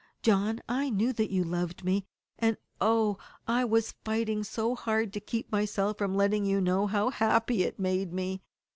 "John, I knew that you loved me, and oh! I was fighting so hard to keep myself from letting you know how happy it made me.